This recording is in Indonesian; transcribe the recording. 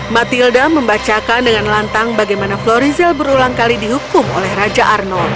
matilda membacakan dengan lantang bagaimana florizel berulang kali dihukum oleh raja arnold